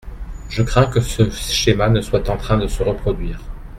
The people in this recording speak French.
Je crains que ce schéma ne soit en train de se reproduire.